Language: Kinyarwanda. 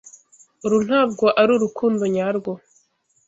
Uru ntabwo arurukundo nyarwo.